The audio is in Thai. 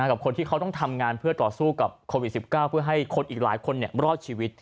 กับคนที่เขาต้องทำงานเพื่อต่อสู้กับโควิด๑๙เพื่อให้คนอีกหลายคนรอดชีวิต